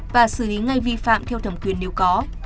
và xử lý ngay vi phạm theo thẩm quyền nếu có